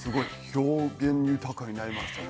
表現豊かになりましたね。